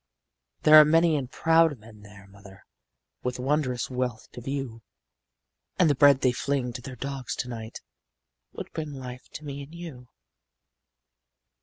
There are great and proud men there, mother, With wondrous wealth to view, And the bread they fling to their dogs to night Would bring life to me and you.